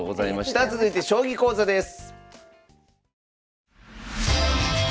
続いて将棋講座です。